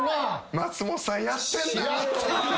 松本さんやってんな。